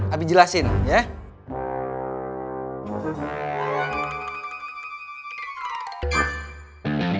abie jelasin ya